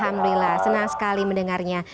alhamdulillah senang sekali mendengarnya